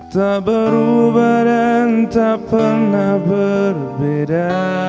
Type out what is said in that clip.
tak berubah dan tak pernah berbeda